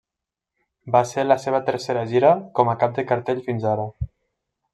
Va ser la seva tercera gira com a cap de cartell fins ara.